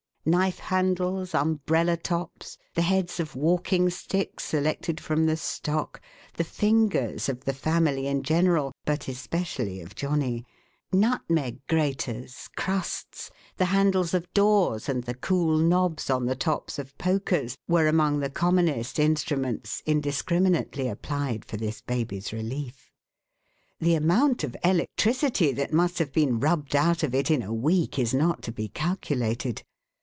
Knife handles, umbrella tops, the heads of walking stick^ selected from the stock, the fingers of the family in general, but especially of Johnny, nutmeg graters, crusts, the handles of doors, and the cool knobs on the tops of pokers, \\crc among the commonest instruments indiscriminately applied for this baby's relief. The amount of electricity that must have been rubbed out of it in a week, is not to be calculated.